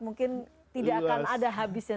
mungkin tidak akan ada habisnya